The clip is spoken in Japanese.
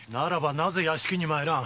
なぜ屋敷に参らぬ？